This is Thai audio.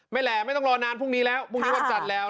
ไม่แหล่ะไม่ต้องรอนานพรุ่งนี้วันจัดแล้ว